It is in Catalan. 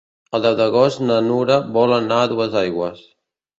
El deu d'agost na Nura vol anar a Duesaigües.